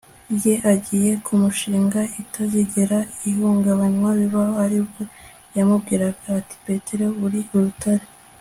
ye agiye kumushinga itazigera ihungabanywa bibaho, aribwo yamubwiraga ati petero uri urutare